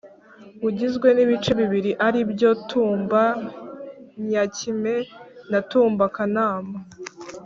Ugizwe n’ibice bibiri Ari byo Tumba Nyakime na Tumba Kanama